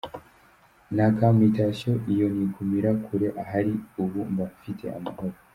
naka mutation iyo nigumira kure ahari ubu mba mfite amahoro.